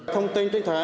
thông tin tuyên thoại